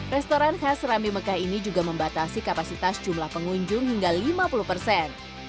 restoran khas rambi mekah ini juga membatasi kapasitas jumlah pengunjung hingga lima puluh persen